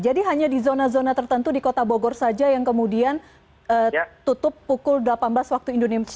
jadi hanya di zona zona tertentu di kota bogor saja yang kemudian tutup pukul delapan belas waktu indonesia